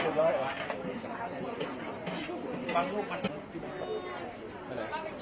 เพราะผมสำหรับท่านที่จะหาครับ